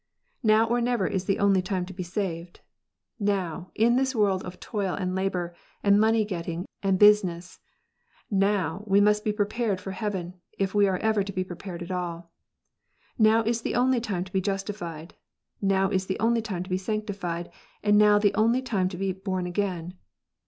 Now or never is the only time to be saved. Xow, in this world of toil and labour, and money getting, and business, now we must be prepared for heaven, if we are ever to be prepared at all. Now is the only time to be justified, now the only time to be sanctified, and now the only time to be " born again."